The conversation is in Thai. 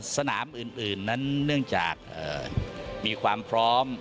สนามอื่นนั้นเนื่องจากมีความพร้อม